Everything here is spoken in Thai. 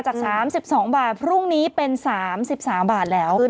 จาก๓๒บาทพรุ่งนี้เป็น๓๓บาทแล้ว